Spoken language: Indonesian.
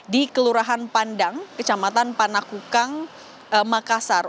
di kelurahan pandang kecamatan panakukang makassar